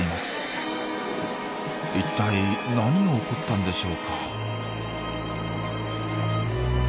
いったい何が起こったんでしょうか。